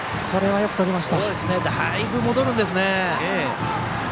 だいぶ戻るんですね。